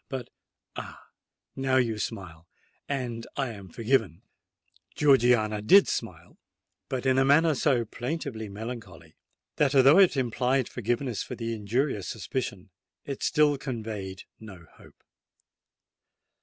But, ah—now you smile—and I am forgiven!" Georgiana did smile—but in a manner so plaintively melancholy, that, although it implied forgiveness for the injurious suspicion, it still conveyed no hope!